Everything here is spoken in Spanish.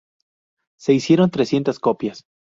Se hicieron trescientas copias.